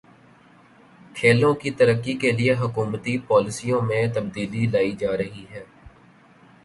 کھیلوں کی ترقی کے لیے حکومتی پالیسیوں میں تبدیلی لائی جا رہی ہے